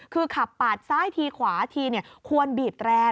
คือขับปาดซ้ายทีขวาทีควรบีบแรง